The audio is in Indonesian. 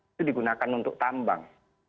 itu digunakan untuk tambang